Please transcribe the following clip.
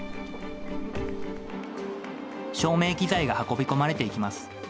照明機材が運び込まれていきます。